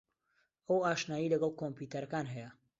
ئەو ئاشنایی لەگەڵ کۆمپیوتەرەکان ھەیە.